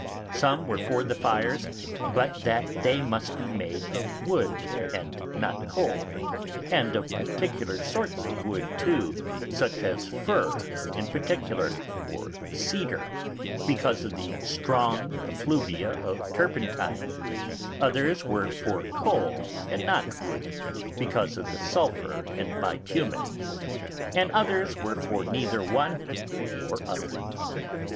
Some were for fires, but that they must be made of wood and not coal, and of particular sorts of wood too, such as fir in particular, or cedar, because of the strong effluvia of turpentine; others were for coal and not wood, because of the sulphur and bitumen; and others were for neither one or other.